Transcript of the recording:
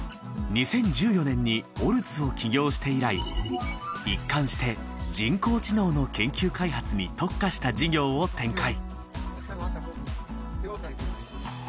２０１４年にオルツを起業して以来一貫して人工知能の研究開発に特化した事業を展開